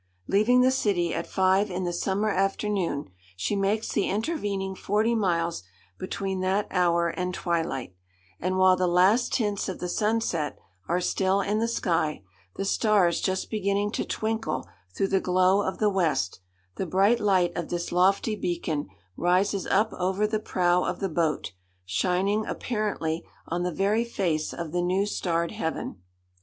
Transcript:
Leaving the city at five in the summer afternoon, she makes the intervening forty miles between that hour and twilight; and while the last tints of the sunset are still in the sky, the stars just beginning to twinkle through the glow of the west, the bright light of this lofty beacon rises up over the prow of the boat, shining apparently on the very face of the new starred heaven.